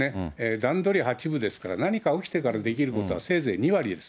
段取り８分ですから、何か起きてからできることはせいぜい２割です。